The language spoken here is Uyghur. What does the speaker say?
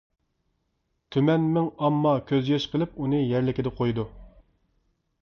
تۈمەنمىڭ ئامما كۆز يېشى قىلىپ، ئۇنى يەرلىكىدە قويىدۇ.